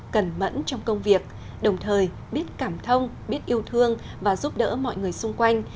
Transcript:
cẩn mẫn trong công việc đồng thời biết cảm thông biết yêu thương và giúp đỡ mọi người xung quanh